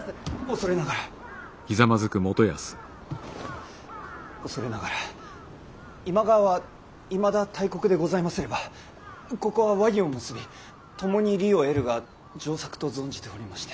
恐れながら恐れながら今川はいまだ大国でございますればここは和議を結び共に利を得るが上策と存じておりまして。